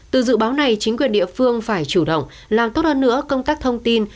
từ dự báo này chính quyền địa phương phải chủ động làm tốt hơn nữa công tác thông tin